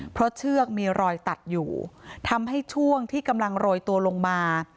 เพราะเชือกมีรอยตัดอยู่ทำให้ช่วงที่กำลังโรยตัวลงมา